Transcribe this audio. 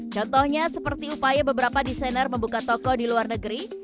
contohnya seperti upaya beberapa desainer membuka toko di luar negeri